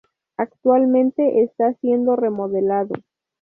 Actualmente está siendo remodelado.